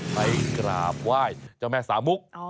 ไปกราบไหว้เจ้าแม่สามุก